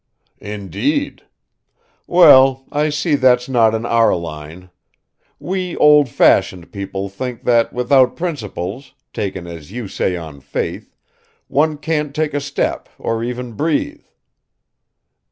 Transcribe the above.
"Indeed. Well, I see that's not in our line. We old fashioned people think that without principles, taken as you say on faith, one can't take a step or even breathe.